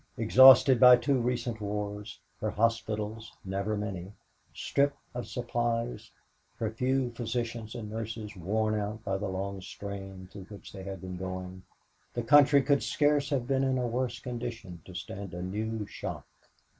Exhausted by two recent wars, her hospitals, never many, stripped of supplies, her few physicians and nurses worn out by the long strain through which they had been going, the country could scarce have been in a worse condition to stand a new shock.